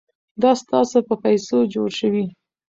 دا ستاسو په پیسو جوړ شوي.